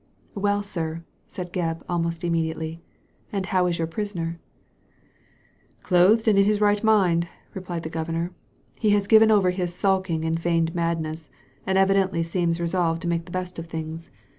"Well, sir," said Gebb, almost immediately, ''and how is your prisoner ?" "Clothed and in his right mindl" replied the Governor. "He has given over his sulking and feigned madness, and evidently seems resolved to make the best of things.